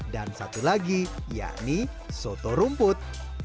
dan satu lagi yakni soto rumput